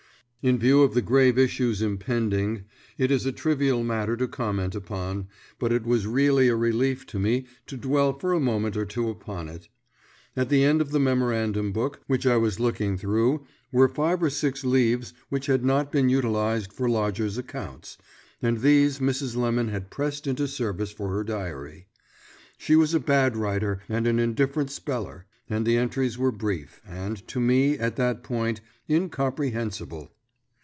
In view of the grave issues impending, it is a trivial matter to comment upon, but it was really a relief to me to dwell for a moment or two upon it. At the end of the memorandum book which I was looking through were five or six leaves which had not been utilised for lodgers' accounts, and these Mrs. Lemon had pressed into service for her diary. She was a bad writer and an indifferent speller, and the entries were brief, and, to me, at that point, incomprehensible.